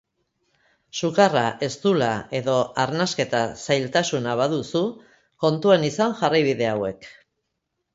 Sukarra, eztula edo arnasketa-zailtasuna baduzu, kontuan izan jarraibide hauek.